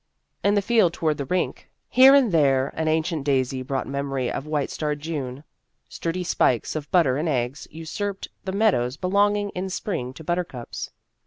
In the field toward the rink, here and there 1 84 Vassar Studies an ancient daisy brought memory of white starred June. Sturdy spikes of butter and eggs usurped the meadows belonging in spring to buttercups.